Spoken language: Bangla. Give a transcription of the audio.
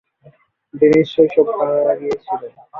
ডেনিস শৈশবে মারা গিয়েছিল।